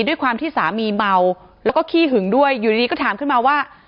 ด้วยความที่สามีเมาแล้วก็ขี้หึงด้วยอยู่ดีก็ถามขึ้นมาว่า